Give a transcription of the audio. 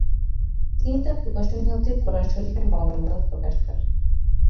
তিনি তার প্রকাশনী হতে কোরান শরীফের বঙ্গানুবাদ প্রকাশ করেন।